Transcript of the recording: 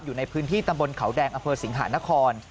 อยู่ในพื้นที่ตำบลเขาแดงอำเภอสิงหานคร